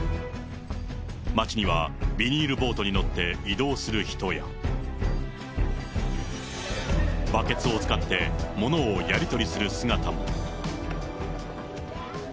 町にはビニールボートに乗って移動する人や、バケツを使ってものをやり取りする姿も。